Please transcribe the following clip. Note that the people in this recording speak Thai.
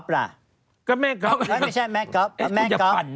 แล้วแม่ก๊อปล่ะ